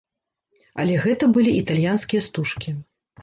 Але гэта былі італьянскія стужкі.